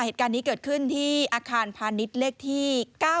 เหตุการณ์นี้เกิดขึ้นที่อาคารพาณิชย์เลขที่๙๙